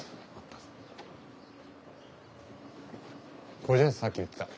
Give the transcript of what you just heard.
これじゃないさっき言ってたの。